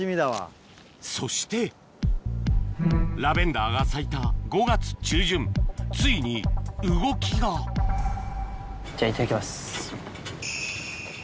そしてラベンダーが咲いたついに動きがじゃあいただきます。